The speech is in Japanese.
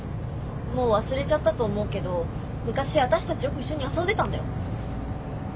もう忘れちゃったと思うけど昔私たちよく一緒に遊んでたんだよ。